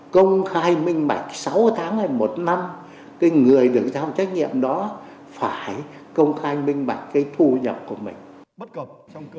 công khai minh bạch sáu tháng hay một năm cái người được giam trách nhiệm đó phải công khai minh bạch cái thu nhập của mình